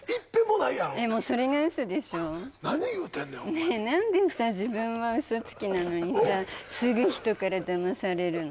なんでさ自分は嘘つきなのにさすぐ人からだまされるの？